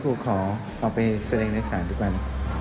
กูขอเอาไปแสดงในสารดูก่อน